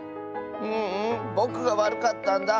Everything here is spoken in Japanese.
ううんぼくがわるかったんだ。